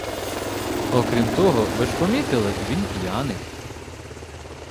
Окрім того, ви ж помітили, він п'яний.